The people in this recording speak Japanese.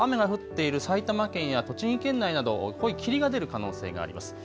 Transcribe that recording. ただきょう雨が降っている埼玉県や栃木県内など濃い霧が出る可能性があります。